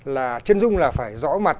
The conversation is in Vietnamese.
là chân dung là phải rõ mặt